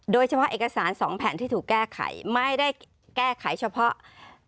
โดยเฉพาะเอกสาร๒แผ่นที่ถูกแก้ไขไม่ได้แก้ไขเฉพาะ